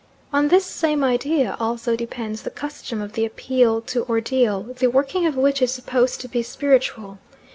On this same idea also depends the custom of the appeal to ordeal, the working of which is supposed to be spiritual.